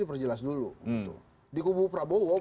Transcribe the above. diperjelas dulu di kubu prabowo